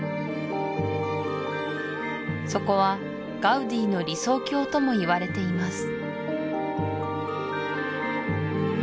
そこはガウディの理想郷ともいわれています